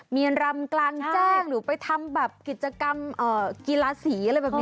มีอารมณ์กลางแจ้งหรือไปทำกิจกรรมกีฬาสี